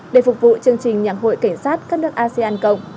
để phục vụ chương trình nhạc hội cảnh sát các nước asean cộng